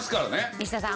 西田さん